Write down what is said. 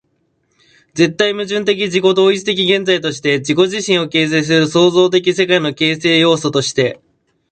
絶対矛盾的自己同一的現在として、自己自身を形成する創造的世界の形成要素として、